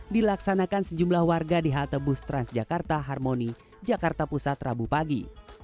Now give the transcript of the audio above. dilaksanakan sejumlah warga di halte bus transjakarta harmoni jakarta pusat rabu pagi